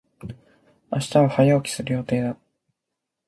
明日は早起きする予定だ。